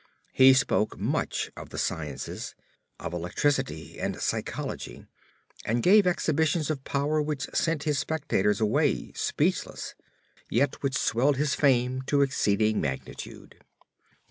He spoke much of the sciences—of electricity and psychology—and gave exhibitions of power which sent his spectators away speechless, yet which swelled his fame to exceeding magnitude.